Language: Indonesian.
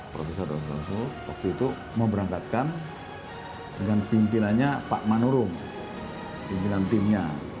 prof dr soeharto waktu itu mau berangkatkan dengan pimpinannya pak manurung pimpinan timnya